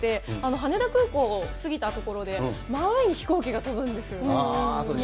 羽田空港を過ぎた所で、前に飛行機が飛ぶんですよね。